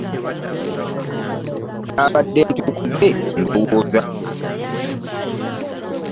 Zaabadde ntuuko ze ndowooza.